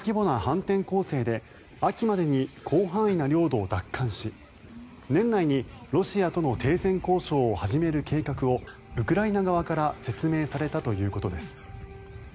大規模な反転攻勢で秋までに広範囲な領土を奪還し年内にロシアとの停戦交渉を始める計画をウクライナ側から説明されたということです。